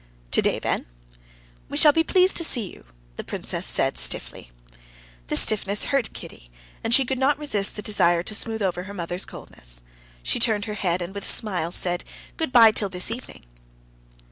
"Today, then?" "We shall be pleased to see you," the princess said stiffly. This stiffness hurt Kitty, and she could not resist the desire to smooth over her mother's coldness. She turned her head, and with a smile said: "Good bye till this evening."